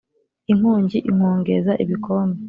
Inkongi inkongeza ibikombe